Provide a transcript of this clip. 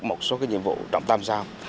một số nhiệm vụ trong ba sao